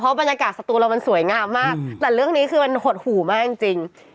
บรรยากาศสตูเรามันสวยงามมากแต่เรื่องนี้คือมันหดหูมากจริง